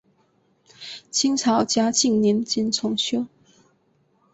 清朝嘉庆年间重修。